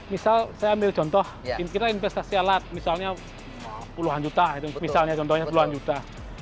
misal saya ambil contoh kita investasi alat misalnya puluhan juta